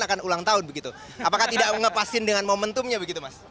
akan ulang tahun begitu apakah tidak mengepasin dengan momentumnya begitu mas